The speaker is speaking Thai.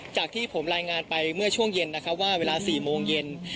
จากที่ผมรายงานเมื่อช่วงเย็นที่เวลา๐๔โมงเย็น